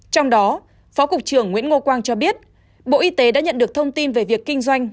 trong đó phó cục trưởng nguyễn ngô quang cho biết bộ y tế đã nhận được thông tin về việc kinh doanh